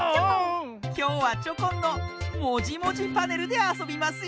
きょうはチョコンの「もじもじパネル」であそびますよ。